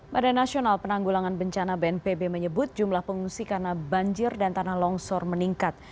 badan nasional penanggulangan bencana bnpb menyebut jumlah pengungsi karena banjir dan tanah longsor meningkat